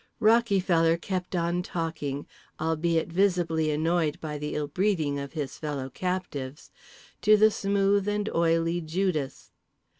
Rockyfeller kept on talking (albeit visibly annoyed by the ill breeding of his fellow captives) to the smooth and oily Judas.